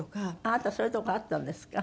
あなたそういうとこあったんですか？